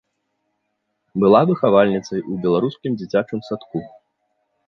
Была выхавальніцай у беларускім дзіцячым садку.